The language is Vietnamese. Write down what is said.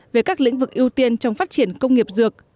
về các lĩnh vực ưu tiên trong phát triển công nghiệp dược